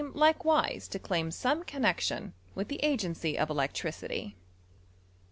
likewise to claim some connexion; with the agency o£ electricity.